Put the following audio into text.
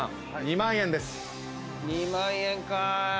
２万円か。